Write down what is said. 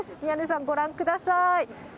宮根さん、ご覧ください。